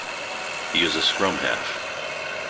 He is a scrum half.